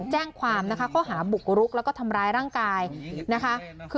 แจ้งความนะคะข้อหาบุกรุกแล้วก็ทำร้ายร่างกายนะคะ